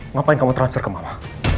ngapain kamu transfer ke malah